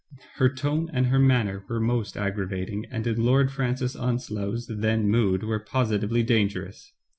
Her tone and her manner were most aggravating, and in Lord Francis Onslow's then mood were positively dangerous.